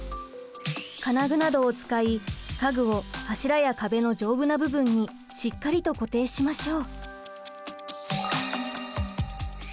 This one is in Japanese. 金具などを使い家具を柱や壁の丈夫な部分にしっかりと固定しましょう。